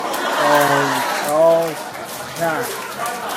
بازداشت کرد